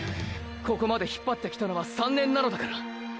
ここまで引っぱってきたのは３年なのだから！！